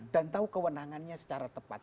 dan tahu kewenangannya secara tepat